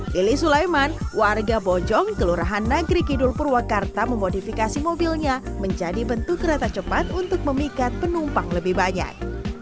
lili sulaiman warga bojong kelurahan nagri kidul purwakarta memodifikasi mobilnya menjadi bentuk kereta cepat untuk memikat penumpang lebih banyak